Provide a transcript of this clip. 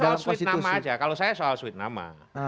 konstitusi ini kan soal sweet nama aja kalau saya soal sweet nama